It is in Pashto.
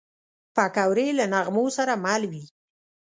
پکورې له نغمو سره مل وي